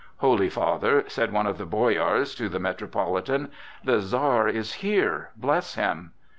"Holy Father," said one of the boyars to the Metropolitan, "the Czar is here; bless him!"